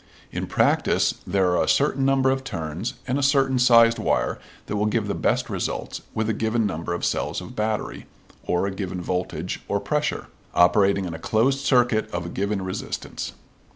In practice there are a certain number of turns and a certain sized wire that will give the best results with a given number of cells of battery (or a given voltage or pressure), operating in a closed circuit of a given resistance.